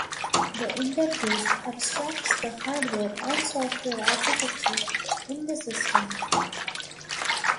The interface abstracts the hardware and software architecture in the system.